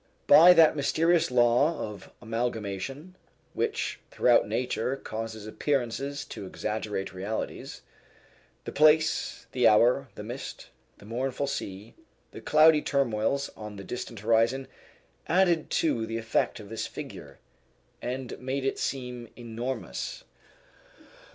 By that mysterious law of amalgamation which throughout nature causes appearances to exaggerate realities, the place, the hour, the mist, the mournful sea, the cloudy turmoils on the distant horizon, added to the effect of this figure, and made it seem enormous.